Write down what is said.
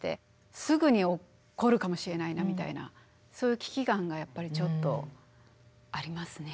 すぐに起こるかもしれないなみたいなそういう危機感がやっぱりちょっとありますね。